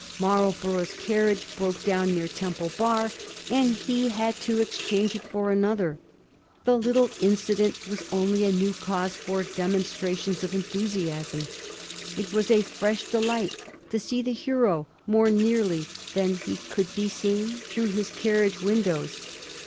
Marlborough's carriage broke down near Temple Bar, and he had to ex change it for another. The little incident was only a new cause for demonstrations of enthusiasm. It was a fresh delight to see the hero more nearly than he could be seen through his carriage windows.